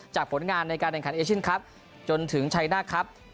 ผลงานในการแข่งขันเอเชียนครับจนถึงชัยนาคครับ